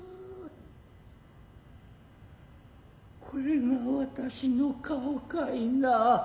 これが私の顔かいなぁ。